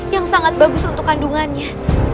yang sangat bagus untuk kandungannya